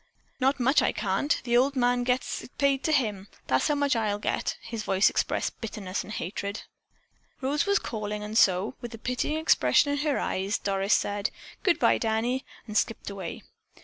"Not much I can't! The old man gets it paid to him. That's how much I'll get it." His voice expressed bitterness and hatred. Rose was calling and so, with a pitying expression in her eyes, Doris said, "Good bye, Danny," and skipped away.